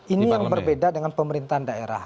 ini yang berbeda dengan pemerintahan daerah